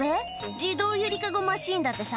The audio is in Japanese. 自動ゆりかごマシンだってさ。